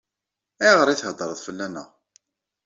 Ayɣer i theddṛeḍ fell-aneɣ?